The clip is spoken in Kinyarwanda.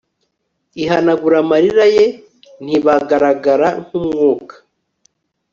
ihanagura amarira ye, ntibagaragara nkumwuka